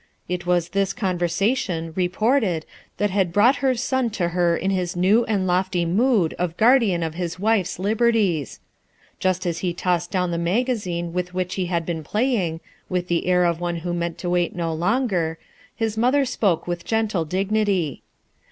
It was this con versation, reported, that had brought her son to her in his new and lofty rnood of guardian of his wife's liberties ! Just as he tossed down the magazine with which he had been playing, with the air of one who meant to wait no longer his mother spoke with gentle dignity.